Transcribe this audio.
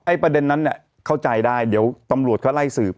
ประเด็นนั้นเนี่ยเข้าใจได้เดี๋ยวตำรวจเขาไล่สืบ